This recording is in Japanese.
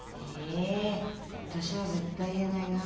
え私は絶対言えないな。